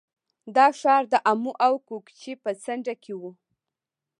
دا ښار د امو او کوکچې په څنډه کې و